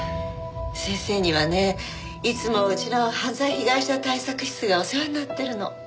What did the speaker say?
先生にはねいつもうちの犯罪被害者対策室がお世話になってるの。